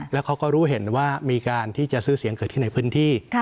แล้วเขาก็รู้เห็นว่ามีการที่จะซื้อเสียงเกิดขึ้นในพื้นที่